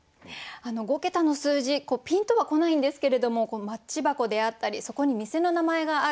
「五桁の数字」ピンとは来ないんですけれどもマッチ箱であったりそこに店の名前がある。